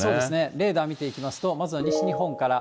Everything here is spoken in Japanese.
レーダー見ていきますと、まずは西日本から。